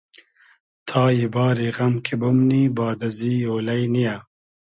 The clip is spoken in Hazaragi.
تای باری غئم کی بومنی باد ازی اۉلݷ نییۂ